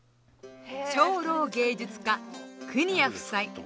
超老芸術家国谷夫妻。